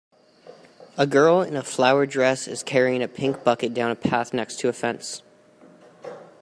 A girl in a flowered dress is carrying a pink bucket down a path next to a fence